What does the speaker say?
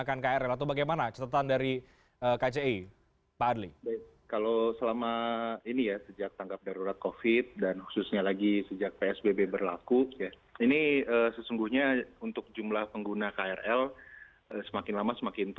masih beroperasi seperti biasa